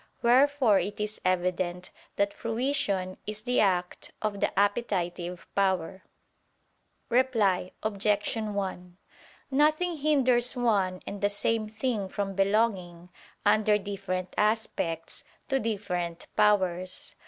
Wherefore it is evident that fruition is the act of the appetitive power. Reply Obj. 1: Nothing hinders one and the same thing from belonging, under different aspects, to different powers.